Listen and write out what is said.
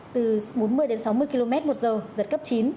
từ bốn mươi đến sáu mươi km một giờ giật cấp chín